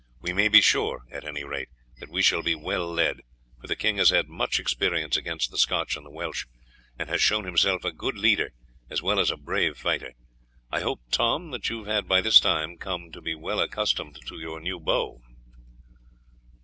We may be sure, at any rate, that we shall be well led, for the king has had much experience against the Scotch and Welsh, and has shown himself a good leader as well as a brave fighter. I hope, Tom, that you have by this time come to be well accustomed to your new bow."